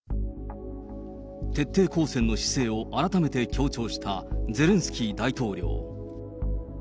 徹底抗戦の姿勢を改めて強調したゼレンスキー大統領。